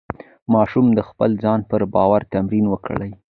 ماشوم د خپل ځان پر باور تمرین وکړي.